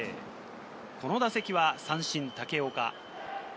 この打席は三振、武岡。